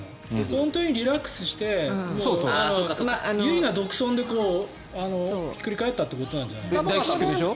本当にリラックスして唯我独尊でひっくり返ったということでしょ。